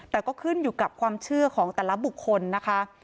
แต่ก็ขึ้นอยู่กับความเชื่อของแต่ละบุคคลนะคะ